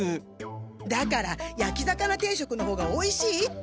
だからやき魚定食の方がおいしいって！